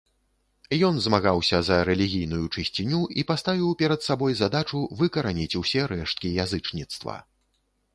Ён змагаўся за рэлігійную чысціню і паставіў перад сабой задачу выкараніць усе рэшткі язычніцтва.